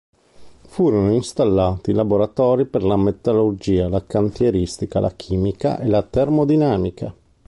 Furono installati laboratori per la metallurgia, la cantieristica, la chimica e la termodinamica.